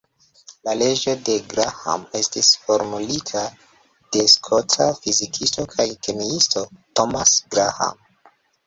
La leĝo de Graham estis formulita de skota fizikisto kaj kemiisto Thomas Graham.